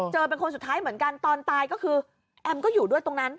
เป็นคนสุดท้ายเหมือนกันตอนตายก็คือแอมก็อยู่ด้วยตรงนั้น